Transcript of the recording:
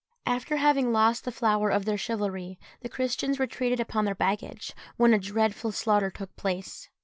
After having lost the flower of their chivalry, the Christians retreated upon their baggage, when a dreadful slaughter took place.